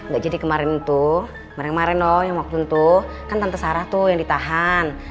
gak jadi kemarin tuh kemarin kemarin dong yang waktu itu kan tante sarah tuh yang ditahan